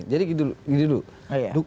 jadi gitu dulu